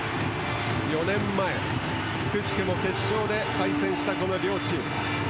４年前、くしくも決勝で対戦したこの両チーム。